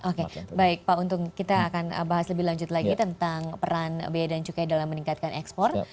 oke baik pak untung kita akan bahas lebih lanjut lagi tentang peran biaya dan cukai dalam meningkatkan ekspor